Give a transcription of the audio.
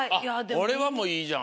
これはもういいじゃん。